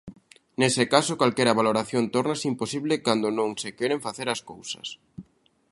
Nese caso calquera valoración tórnase imposible cando non se queren facer as cousas.